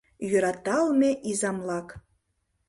Йӧраталме изамлак!